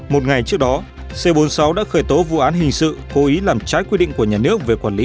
một ngày trước đó c bốn mươi sáu đã khởi tố vụ án hình sự cố ý làm trái quy định của nhà nước về quản lý